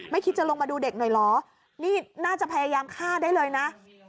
คิดจะลงมาดูเด็กหน่อยเหรอนี่น่าจะพยายามฆ่าได้เลยนะ